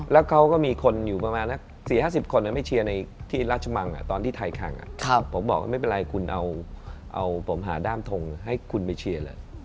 แล้วเขาก็มีคนอยู่ประมาณสัก๔๕๐คนไม่เชียร์ในที่ราชมังตอนที่ไทยแข่งผมบอกว่าไม่เป็นไรคุณเอาผมหาด้ามทงให้คุณไปเชียร์เลย